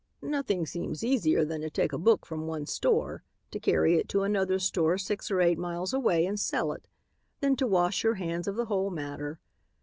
"Nothing seems easier than to take a book from one store, to carry it to another store six or eight miles away and sell it, then to wash your hands of the whole matter.